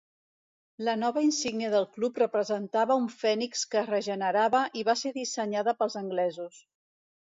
La nova insígnia del club representava un fènix que es regenerava i va ser dissenyada pels anglesos.